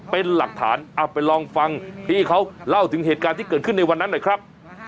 เป็นหลักฐานเอาไปลองฟังพี่เขาเล่าถึงเหตุการณ์ที่เกิดขึ้นในวันนั้นหน่อยครับ